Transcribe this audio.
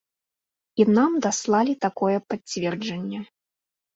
І нам даслалі такое пацверджанне.